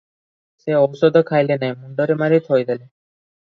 ସେ ଔଷଧ ଖାଇଲେ ନାହିଁ, ମୁଣ୍ତରେ ମାରି ଥୋଇଦେଲେ ।"